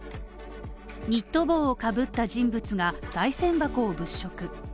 ニット帽をかぶった人物がさい銭箱を物色。